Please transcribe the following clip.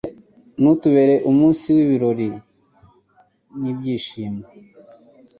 nutubere umunsi w’ibirori n’ibyishimo